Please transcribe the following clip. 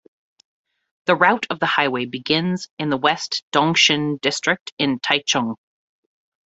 The route of the highway begins in the west at Dongshi District in Taichung.